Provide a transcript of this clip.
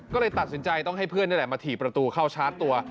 ก็เลยตัดสินใจต้องให้เพื่อนนี่แหละมาถี่ประตูเข้าชาร์จตัว